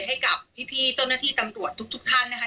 ให้กับพี่เจ้าหน้าที่ตำรวจทุกท่านนะคะ